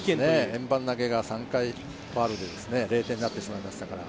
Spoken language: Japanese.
円盤投が３回ファウルで０点になってしまいましたから。